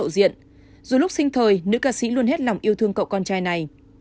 dù lúc sinh thời nữ ca sĩ luôn hết lòng yêu thương cậu con trai này